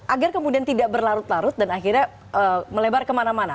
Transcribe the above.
agar kemudian tidak berlarut larut dan akhirnya melebar kemana mana